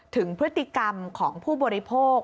ถึงพฤติกรรมของผู้บริโภค